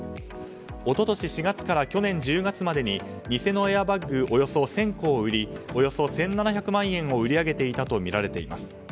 一昨年４月から去年１０月までに偽のエアバッグおよそ１０００個を売りおよそ１７００万円を売り上げていたとみられています。